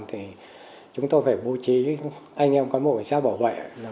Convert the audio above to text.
thì chúng tôi phải bố trí anh em có một xe bảo vệ